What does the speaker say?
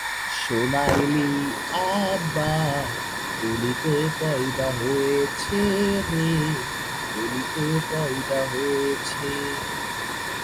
সুলতান মসজিদ শীঘ্রই এই বর্ধমান সম্প্রদায়ের জন্য খুব ছোট হয়ে উঠল।